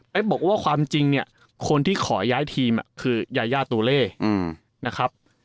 บอกว่าความจริงเนี่ยคนที่ขอย้ายทีมคือยายาตัวเล่นะครับ